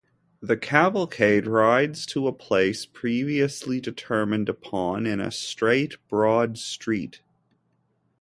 The cavalcade rides to a place previously determined upon in a straight, broad street.